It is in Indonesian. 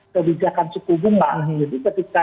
kebijakan suku bunga jadi ketika